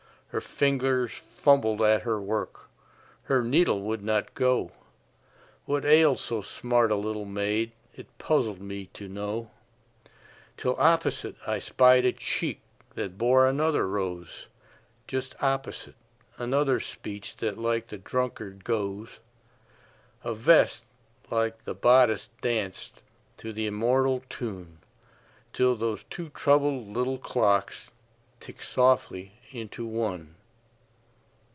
Her fingers fumbled at her work, Her needle would not go; What ailed so smart a little maid It puzzled me to know, Till opposite I spied a cheek That bore another rose; Just opposite, another speech That like the drunkard goes; A vest that, like the bodice, danced To the immortal tune, Till those two troubled little clocks Ticked softly into one.